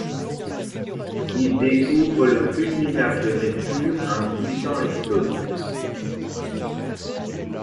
Il découvre le fulminate de mercure, un puissant explosif.